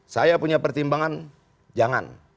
saya punya pertimbangan jangan